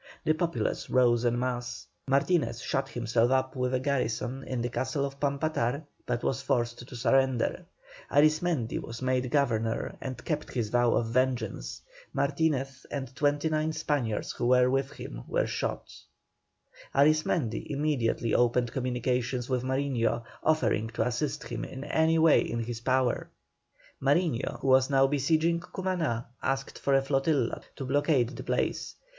The populace rose en masse. Martinez shut himself up with a garrison in the castle of Pampatar, but was forced to surrender; Arismendi was made governor and kept his vow of vengeance. Martinez and twenty nine Spaniards who were with him were shot. Arismendi immediately opened communications with Mariño, offering to assist him in any way in his power. Mariño, who was now besieging Cumaná, asked for a flotilla to blockade the place.